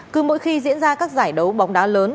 cứ mỗi khi diễn ra các giải đấu bóng đá lớn